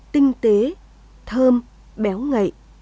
tinh tế thơm béo ngậy